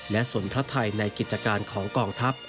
และส่วนพระไทยในกิจการของกองทัพ